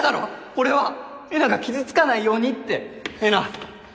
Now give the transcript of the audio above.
俺はえなが傷つかないようにってえな！